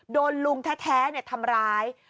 โดนลุงแท้ทำร้าย